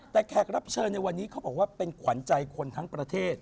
แต่แขกรับเชิญในวันนี้เขาบอกว่าเป็นขวัญใจคนทั้งประเทศ